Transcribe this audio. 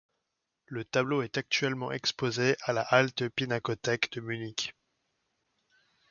Le tableau est actuellement exposé à la Alte Pinakothek de Munich.